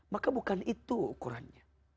maka bukan itu ukurannya